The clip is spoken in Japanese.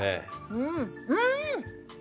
うんうん！